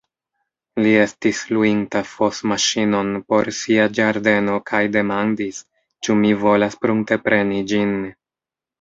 Li estis luinta fosmaŝinon por sia ĝardeno kaj demandis, ĉu mi volas pruntepreni ĝin.